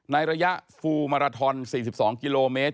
ในระยะฟูมาราทอน๔๒กิโลเมตร